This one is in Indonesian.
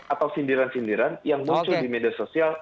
atau sindiran sindiran yang muncul di media sosial